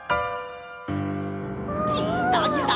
きたきた！